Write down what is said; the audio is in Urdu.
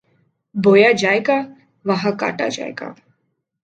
بویا جائے گا، وہاں کاٹا جائے گا۔